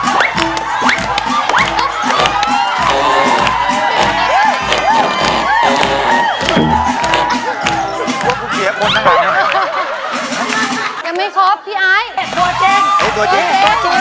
ต้องเปลี่ยนทั้งหมดอย่างนั้นไหมพี่อายตัวเจ็บตัวเจ็บ